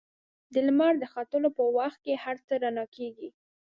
د لمر د ختلو په وخت کې هر څه رڼا کېږي.